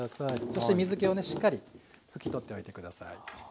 そして水けをねしっかり拭き取っておいて下さい。